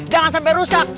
jangan sampai rusak